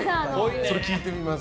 それ聞いてみます。